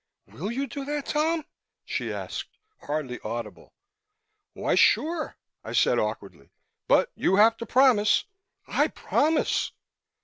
"Will you do that, Tom?" she asked, hardly audible. "Why, sure," I said awkwardly. "But you have to promise " "I promise!"